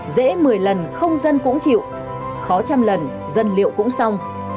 dễ một mươi lần không dân cũng chịu khó trăm lần dân liệu cũng xong